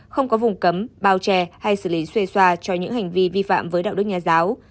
không có vùng cấm bao trè hay xử lý xuê xoa cho những hành vi vi phạm với đạo đức nhà giáo